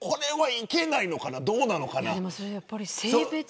いけないのかどうなのか。